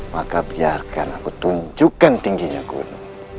maka biarkan aku tunjukkan tingginya guru